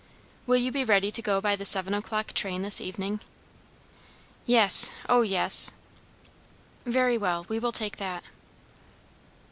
"Will you be ready to go by the seven o'clock train this evening?" "Yes. O yes!" "Very well. We will take that."